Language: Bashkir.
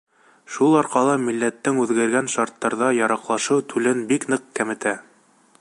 Шул арҡала милләттең үҙгәргән шарттарҙа яраҡлашыу түлен бик ныҡ кәметә.